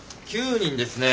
９人ですね。